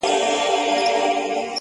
څوك مي دي په زړه باندي لاس نه وهي،